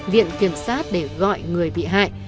viện kiểm sát để gọi người bị hại